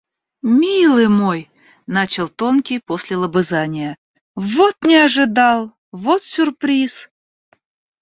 — Милый мой! — начал тонкий после лобызания.— Вот не ожидал! Вот сюрприз!